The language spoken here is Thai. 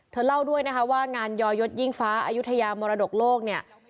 เธอเล่าด้วยนะคะว่างานยอยศยิ่งฟ้าอายุทยามรดกโลกเนี่ย